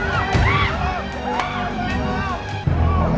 apa sih nief